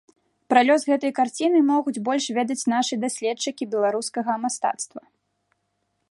Пра лёс гэтай карціны могуць больш ведаць нашы даследчыкі беларускага мастацтва.